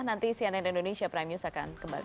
nanti cnn indonesia prime news akan kembali